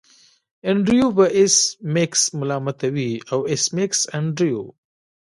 انډریو به ایس میکس ملامتوي او ایس میکس انډریو